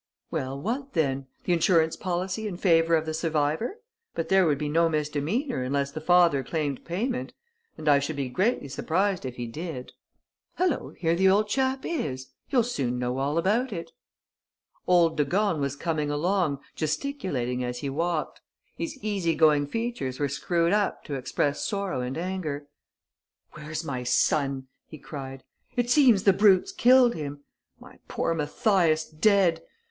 "Well, what then? The insurance policy in favour of the survivor? But there would be no misdemeanour unless the father claimed payment. And I should be greatly surprised if he did.... Hullo, here the old chap is! You'll soon know all about it." Old de Gorne was coming along, gesticulating as he walked. His easy going features were screwed up to express sorrow and anger. "Where's my son?" he cried. "It seems the brute's killed him!... My poor Mathias dead!